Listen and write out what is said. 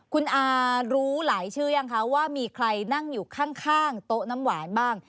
คุณอารู้หลายชื่อยังคะว่ามีใครนั่งอยู่ข้างโต๊ะน้ำหวานบ้าง